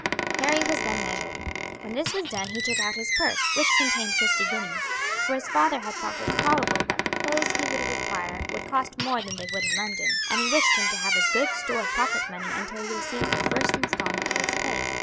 Harry was then measured. When this was done he took out his purse, which contained fifty guineas; for his father had thought it probable that the clothes he would require would cost more than they would in London, and he wished him to have a good store of pocket money until he received the first instalment of his pay.